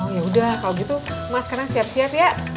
yaudah kalau gitu emak sekarang siap siap ya